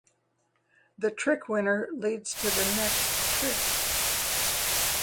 The trick winner leads to the next trick.